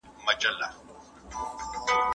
کومیټونه اوږده مدارونه تعقیبوي.